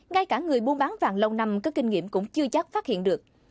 ngay cả người buôn bán vàng lâu năm có kinh nghiệm cũng chưa chắc phát hiện được